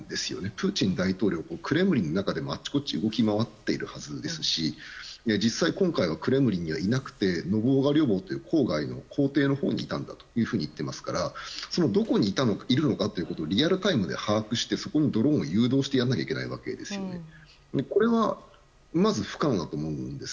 プーチン大統領はクレムリンの中でも、あちこち動き回っているはずですし実際、今回はクレムリンにはいなくて郊外の公邸のほうにいたんだと言っていますからどこにいるのかをリアルタイムで把握してそこにドローンを誘導してやらなきゃいけないわけでこれはまず不可能だと思うんです。